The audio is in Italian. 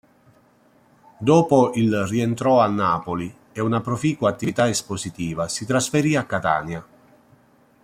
Dopo il rientrò a Napoli e una proficua attività espositiva, si trasferì a Catania.